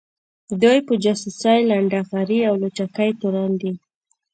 دوی په جاسوۍ ، لنډغري او لوچکۍ تورن دي